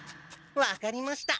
分かりました。